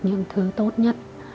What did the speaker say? những thứ tốt nhất